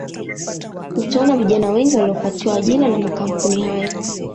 Utaona vijana wengi waliopatiwa ajira na makampuni hayo